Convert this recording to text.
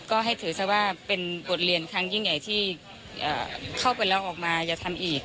ก็ให้ถือซะว่าเป็นบทเรียนครั้งยิ่งใหญ่ที่เข้าไปแล้วออกมาอย่าทำอีก